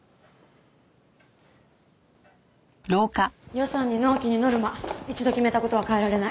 予算に納期にノルマ一度決めた事は変えられない。